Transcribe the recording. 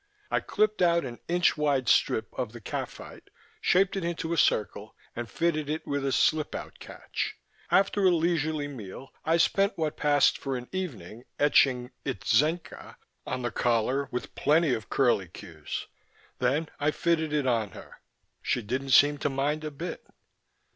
I clipped out an inch wide strip of the khaffite, shaped it in a circle, and fitted it with a slip out catch. After a leisurely meal I spent what passed for an evening etching "ITZENCA" on the new collar with plenty of curlicues. Then I fitted it on her; she didn't seem to mind a bit.